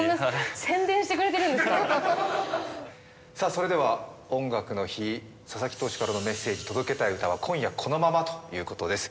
それでは「音楽の日」佐々木投手からのメッセージ、届けたい歌は、「今夜このまま」ということです。